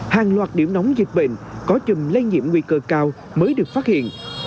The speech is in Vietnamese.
hàng loạt điểm nóng dịch bệnh có chùm lây nhiễm nguy cơ cao mới được phát hiện